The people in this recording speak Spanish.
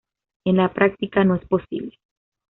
En la práctica no es posible.